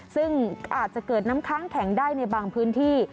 ซึ่งอาจจะเกิดน้ำค้างแข็งได้ในบางพื้นที่